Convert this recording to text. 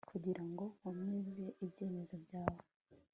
kugira ngo nkomeze ibyemezo byawe